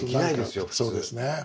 そうですね。